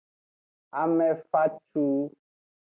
Ame facu.